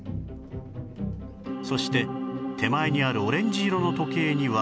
そして手前にあるオレンジ色の時計には